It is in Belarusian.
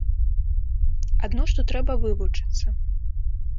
Адно што трэба вывучыцца.